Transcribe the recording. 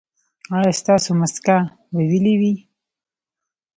ایا ستاسو مسکه به ویلې وي؟